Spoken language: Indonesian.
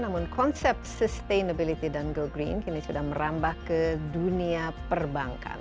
namun konsep sustainability dan go green kini sudah merambah ke dunia perbankan